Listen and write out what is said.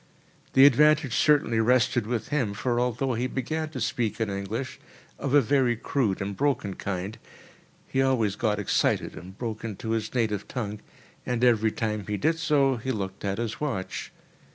The advantage certainly rested with him, for although he began to speak in English, of a very crude and broken kind, he always got excited and broke into his native tongue—and every time he did so, he looked at his watch.